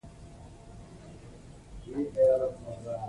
بهرني اسعار مه کاروئ.